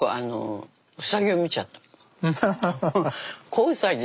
子うさぎ。